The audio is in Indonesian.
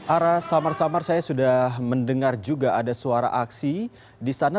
ara samar samar saya sudah mendengar juga ada suara aksi di sana